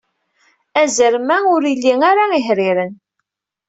Azrem-a ur ili ara ihriren.